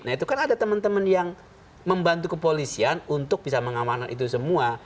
nah itu kan ada teman teman yang membantu kepolisian untuk bisa mengamankan itu semua